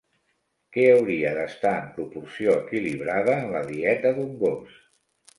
Què hauria d'estar en proporció equilibrada en la dieta d'un gos?